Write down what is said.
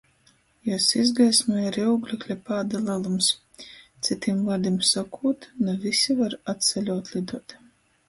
Juos izgaismoj ari ūglekļa pāda lelums. Cytim vuordim sokūt, na vysi var atsaļaut liduot.